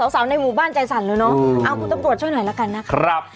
สาวในหมู่บ้านใจสั่นเลยเนอะเอาคุณตำรวจช่วยหน่อยละกันนะครับ